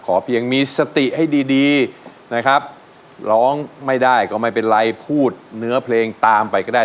เพียงมีสติให้ดีดีนะครับร้องไม่ได้ก็ไม่เป็นไรพูดเนื้อเพลงตามไปก็ได้